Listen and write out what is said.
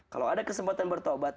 kalau ada kesempatan bertobat